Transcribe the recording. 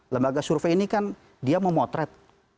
lembaga survei ini kan dia memotret